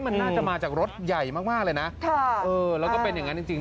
มันน่าจะมาจากรถใหญ่มากเลยนะแล้วก็เป็นอย่างนั้นจริง